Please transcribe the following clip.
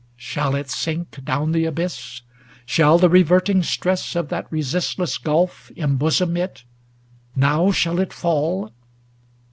ŌĆö Shall it sink Down the abyss ? Shall the reverting stress Of that resistless gulf embosom it ? Now shall it fall